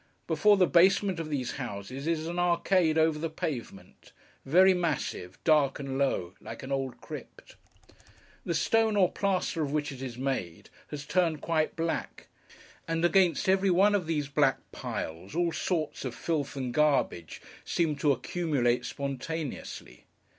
Before the basement of these houses, is an arcade over the pavement: very massive, dark, and low, like an old crypt. The stone, or plaster, of which it is made, has turned quite black; and against every one of these black piles, all sorts of filth and garbage seem to accumulate spontaneously.